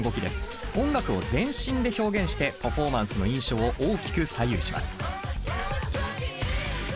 音楽を全身で表現してパフォーマンスの印象を大きく左右します。